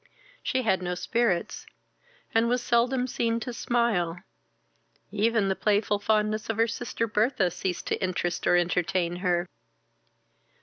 She had no spirits, and was seldom seen to smile; even the playful fondness of her sister Bertha ceased to interest or entertain her.